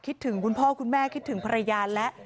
คิดถึงคุณพ่อคุณแม่คิดถึงภรรยาแล้ว